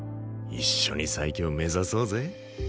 一緒に最強目指そうぜ。